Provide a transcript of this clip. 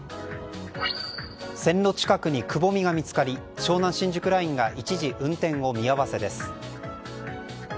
線路近くにくぼみが見つかり湘南新宿ラインが一時運転を見合わせです。